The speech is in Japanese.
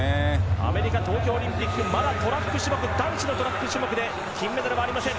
アメリカ東京オリンピックではまだ男子のトラック種目で金メダルはありません。